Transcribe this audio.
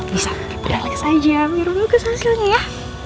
bisa relax aja biar bagus hasilnya ya